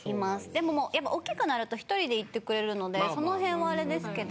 でももうやっぱおっきくなると１人で行ってくれるのでその辺はあれですけど。